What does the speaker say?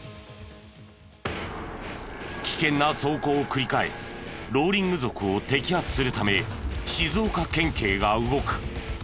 危険な走行を繰り返すローリング族を摘発するため静岡県警が動く。